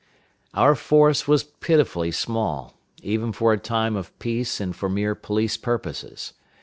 Our force was pitifully small, even for a time of peace and for mere police purposes.